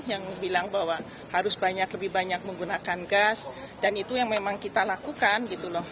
yang bilang bahwa harus banyak lebih banyak menggunakan gas dan itu yang memang kita lakukan gitu loh